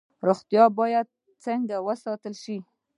روغتیا باید څنګه وساتل شي؟